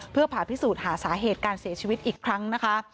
เพื่อผ่าพิสูจน์หาสาเหตุการเสียชีวิตอีกครั้งนะคะ